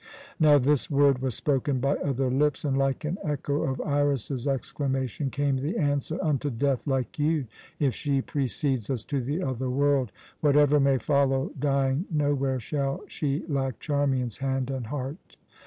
Now, this word was spoken by other lips, and, like an echo of Iras's exclamation, came the answer: "Unto death, like you, if she precedes us to the other world. Whatever may follow dying, nowhere shall she lack Charmian's hand and heart."